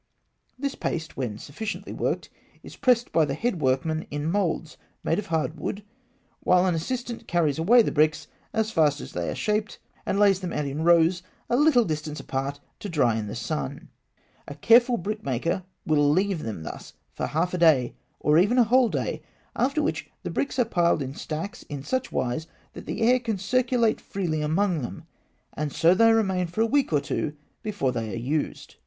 This paste, when sufficiently worked (Note 2), is pressed by the head workman in moulds made of hard wood, while an assistant carries away the bricks as fast as they are shaped, and lays them out in rows at a little distance apart, to dry in the sun (fig. I). A careful brickmaker will leave them thus for half a day, or even for a whole day, after which the bricks are piled in stacks in such wise that the air can circulate freely among them; and so they remain for a week or two before they are used.